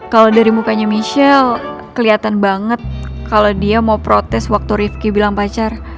kalo dari mukanya michelle keliatan banget kalo dia mau protes waktu rifki bilang pacar